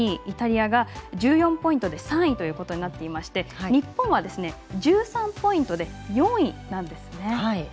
イタリアが１４ポイントで３位となっていて日本は１３ポイントで４位です。